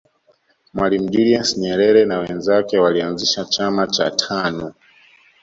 mwalimu julius nyerere na wenzake walianzisha chama cha tanu